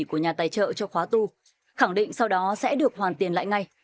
của nhà tài trợ cho khóa tu khẳng định sau đó sẽ được hoàn tiền lại ngay